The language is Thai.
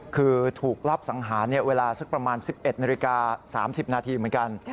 คือถูกรับสังหารเวลาสักประมาณ๑๑นาฬิกา๓๐นาทีเหมือนกัน